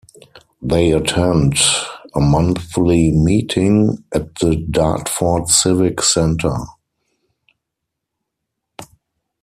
They attend a monthly meeting, at the Dartford Civic Centre.